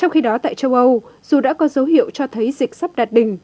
trong khi đó tại châu âu dù đã có dấu hiệu cho thấy dịch sắp đạt đỉnh